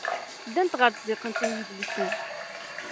Ddant ɣer tzikkent n yidlisen.